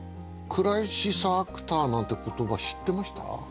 クライシスアクターなんて言葉知ってました？